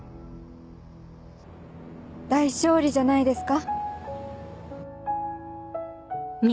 大勝利じゃないですか？